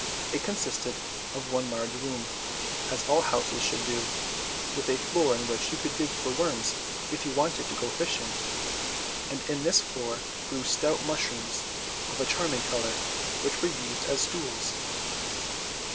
It consisted of one large room, as all houses should do, with a floor in which you could dig if you wanted to go fishing, and in this floor grew stout mushrooms of a charming colour, which were used as stools.